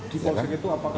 di polsek itu apakah ada